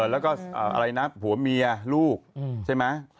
แล้วก็อะไรนะผัวเมียลูกใช่ไหม